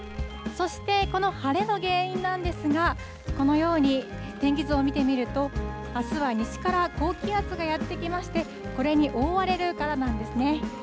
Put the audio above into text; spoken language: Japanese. そしてこの晴れの原因なんですが、このように天気図を見てみると、あすは西から高気圧がやって来まして、これに覆われるからなんですね。